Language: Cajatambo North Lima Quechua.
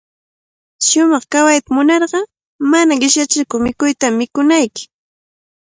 Shumaq kawayta munarqa, mana qishyachikuq mikuykunatami mikunayki.